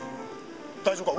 大丈夫か？